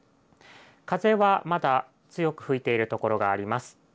風はまだ強く吹いている所があります。